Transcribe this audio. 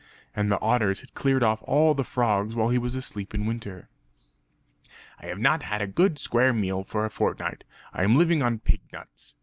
And the otters had cleared off all the frogs while he was asleep in winter "I have not had a good square meal for a fortnight, I am living on pig nuts.